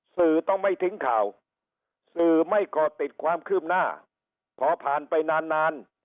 สื่อไม่ก่อติดความขึ้มหน้าขอผ่านไปนาน